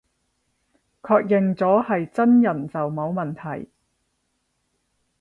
確認咗係真人就冇問題